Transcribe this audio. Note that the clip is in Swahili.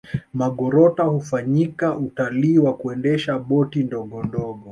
magorota hufanyika Utalii wa kuendesha boti ndogondogo